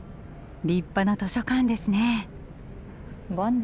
立派な図書館ですね。